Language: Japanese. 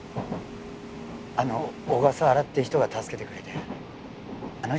あの小笠原って人が助けてくれてあの人